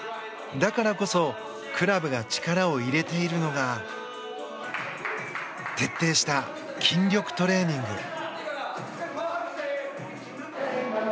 だからこそクラブが力を入れているのが徹底した筋力トレーニング。